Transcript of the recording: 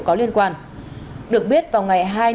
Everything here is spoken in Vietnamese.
có liên quan được biết vào ngày